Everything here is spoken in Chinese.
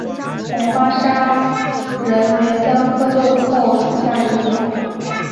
红花砂仁为姜科豆蔻属下的一个种。